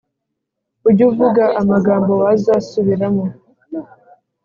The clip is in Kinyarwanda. Ujyuvuga amagambo wazasubiramo